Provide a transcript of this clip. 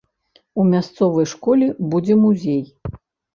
У мясцовай школе будзе музей.